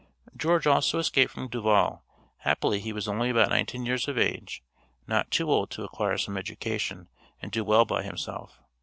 George also escaped from Duvall; happily he was only about nineteen years of age, not too old to acquire some education and do well by himself.